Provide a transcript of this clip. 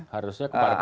harusnya kepada publik